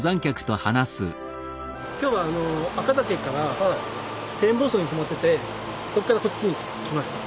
今日は赤岳から天望荘に泊まっててそっからこっちに来ました。